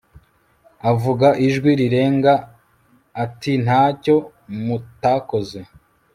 avuga ijwi rirenga atintacyo mutakoze